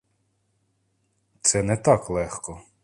— Це не так легко.